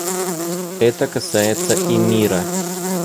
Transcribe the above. Это касается и мира.